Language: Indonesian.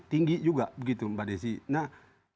tinggi juga begitu mbak desi nah